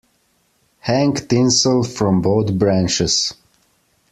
Hang tinsel from both branches.